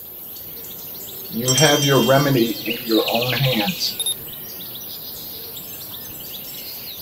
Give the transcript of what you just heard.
You have your remedy in your own hands.